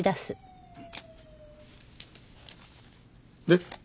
で？